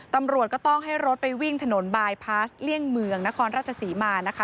ตำรวจก็ต้องให้รถไปวิ่งถนนบายพาสเลี่ยงเมืองนครราชศรีมานะคะ